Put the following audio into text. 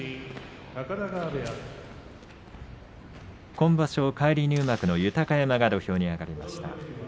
今場所返り入幕の豊山が土俵に上がりました。